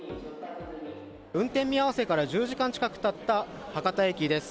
運転見合わせから１０時間近くたった博多駅です。